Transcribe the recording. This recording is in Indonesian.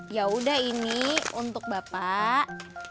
ya udah ini untuk bapak